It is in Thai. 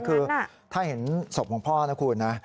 คือถ้าเห็นศพของพ่อนะคุณนะ